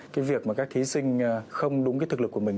cái việc mà các thí sinh không đúng cái thực lực của mình